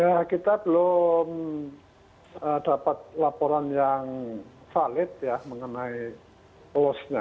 ya kita belum dapat laporan yang valid ya mengenai loss nya